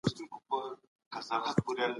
ميرويس خان نيکه خپل ځان د ګرګين دوست څنګه وښود؟